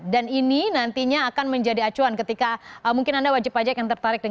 dan ini nantinya akan menjadi acuan ketika mungkin anda wajib pajak